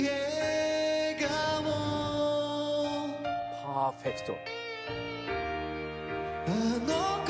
パーフェクト。